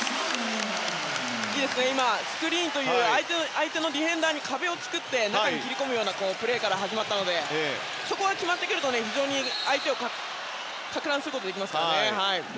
スクリーンという相手のディフェンダーに壁を作って中に切れ込むようなプレーから始まったのでそこが決まってくると非常に相手をかく乱することができますからね。